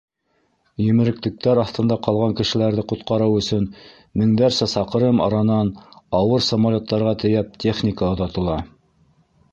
Емереклектәр аҫтында ҡалған кешеләрҙе ҡотҡарыу өсөн меңдәрсә саҡрым аранан, ауыр самолеттарға тейәп, техника оҙатыла.